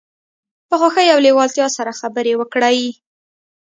په خوښۍ او لیوالتیا سره خبرې وکړئ.